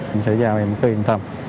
em sẽ giao em em cứ yên tâm